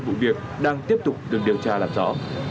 các bộ y tế đang tiếp tục được điều tra làm rõ